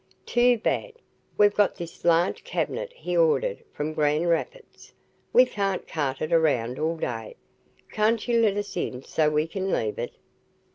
"Too bad we've got this large cabinet he ordered from Grand Rapids. We can't cart it around all day. Can't you let us in so we can leave it?"